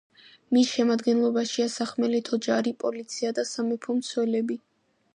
მის შემადგენლობაშია სახმელეთო ჯარი, პოლიცია და სამეფო მცველები.